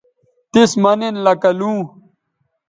تِس مہ نن لکہ لوں